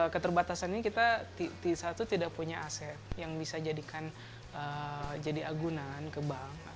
keterbatasan ini kita di satu tidak punya aset yang bisa jadikan jadi agunan ke bank